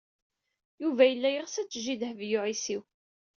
Yuba yella yeɣs ad tejji Dehbiya u Ɛisiw.